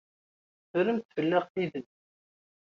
Teffremt fell-aɣ tidet.